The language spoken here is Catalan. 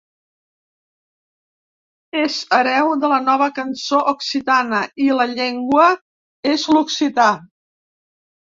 És hereu de la Nova cançó occitana, i la seva llengua és l'occità.